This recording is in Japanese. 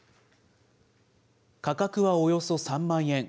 価格はおよそ３万円。